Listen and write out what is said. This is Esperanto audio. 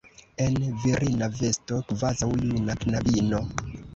en virina vesto, kvazaŭ juna knabino.